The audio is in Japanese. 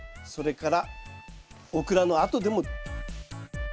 それからオクラのあとでも。